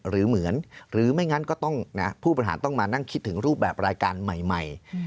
หรือเหมือนหรือไม่งั้นก็ต้องผู้บริหารต้องมานั่งคิดถึงรูปแบบรายการใหม่